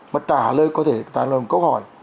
mà trả lời có thể là một câu hỏi